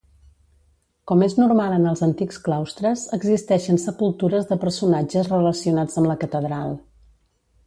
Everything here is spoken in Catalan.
Com és normal en els antics claustres existeixen sepultures de personatges relacionats amb la catedral.